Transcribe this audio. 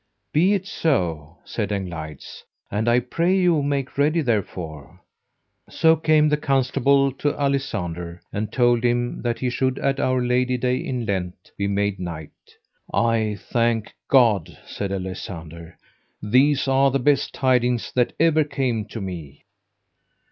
Be it so, said Anglides, and I pray you make ready therefore. So came the Constable to Alisander, and told him that he should at our Lady Day in Lent be made knight. I thank God, said Alisander; these are the best tidings that ever came to me.